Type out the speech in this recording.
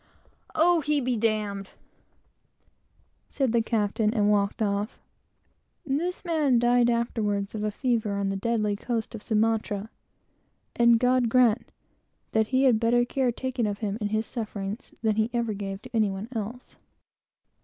"Oh! he be d d!" said the captain, and walked off. This same man died afterwards of a fever on the deadly coast of Sumatra; and God grant he had better care taken of him in his sufferings, than he ever gave to any one else!